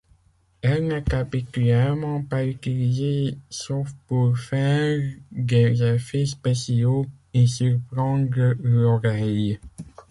Elle n'est habituellement pas utilisée sauf pour faire des effets spéciaux et surprendre l'oreille.